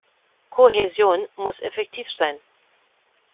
Kohäsion muss effektiv sein.